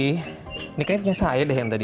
ini kayaknya punya saya deh yang tadi